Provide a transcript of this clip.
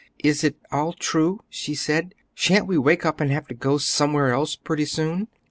"Is it all true?" she said. "Shan't we wake up and have to go somewhere else pretty soon?"